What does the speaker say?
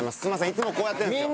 いつもこうやってるんですよ。